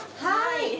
はい。